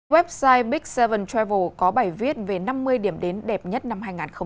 website big bảy travel có bài viết về năm mươi điểm đến đẹp nhất năm hai nghìn hai mươi